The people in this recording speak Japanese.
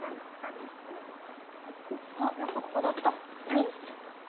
あっやっぱここだった。